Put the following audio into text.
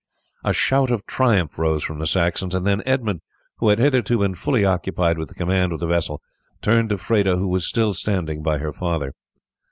A shout of triumph rose from the Saxons, and then Edmund, who had hitherto been fully occupied with the command of the vessel, turned to Freda, who was still standing by her father.